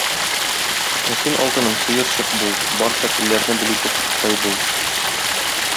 Ә син, алтыным, сыерчык бул, барча телләрне белүче кошкай бул.